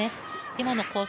今のコース